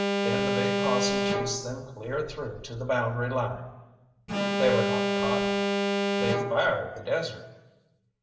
Then the big posse chased them clear through to the boundary line." "They were not caught!" "They fired the desert!"